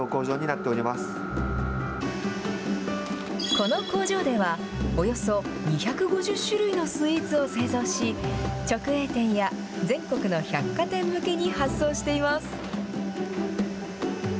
この工場では、およそ２５０種類のスイーツを製造し、直営店や全国の百貨店向けに発送しています。